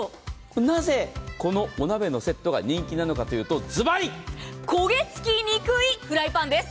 なぜ、このお鍋のセットが人気なのかというと、ズバリ、焦げつきにくいフライパンなんです。